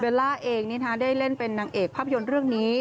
ล่าเองได้เล่นเป็นนางเอกภาพยนตร์เรื่องนี้